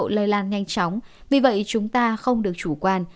đặc điểm dễ lây lan nhanh chóng vì vậy chúng ta không được chủ quan